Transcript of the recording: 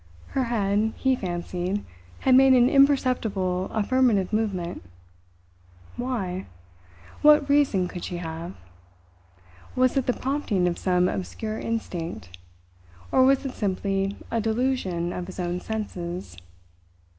Her head, he fancied, had made an imperceptible affirmative movement. Why? What reason could she have? Was it the prompting of some obscure instinct? Or was it simply a delusion of his own senses?